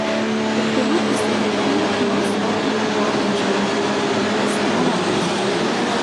The klobuk is the headgear most often worn in church by professed monastics.